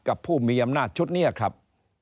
ผู้มีอำนาจชุดนี้ครับ